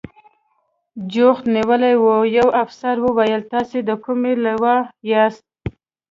جوخت نیولي و، یوه افسر وویل: تاسې د کومې لوا یاست؟